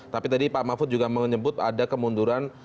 tapi tadi pak mahfud juga menyebut ada kemunduran